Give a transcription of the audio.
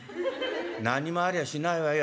何もありゃしないわよ。